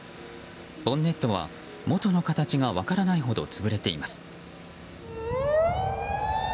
ボンネットは、もとの形が分からないほど潰れています。